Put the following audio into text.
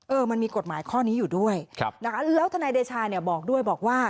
เออมันมีกฎหมายข้อนี้อยู่ด้วยแล้วทนายเดชาบอกด้วยบอกว่า